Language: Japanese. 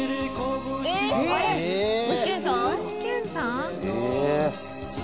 「具志堅さん？」